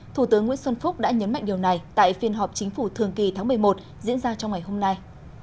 thủ tướng nguyễn xuân phúc đã nhấn mạnh điều này tại phiên họp chính phủ thường kỳ tháng một mươi một diễn ra trong ngày hôm nay